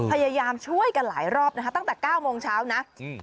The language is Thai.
พยายามช่วยกันหลายรอบตั้งแต่๙โมงเช้า